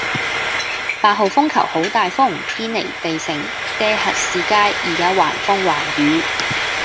八號風球好大風，堅尼地城爹核士街依家橫風橫雨